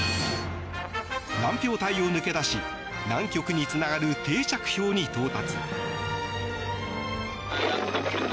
乱氷帯を抜け出し南極につながる定着氷に到達。